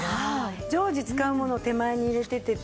常時使うものを手前に入れててとかね。